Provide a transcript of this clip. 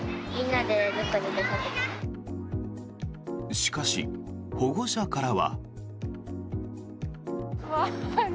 しかし、保護者からは。